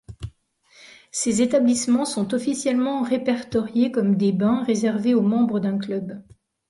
Ces établissements sont officiellement répertoriés comme des bains réservés aux membres d'un club.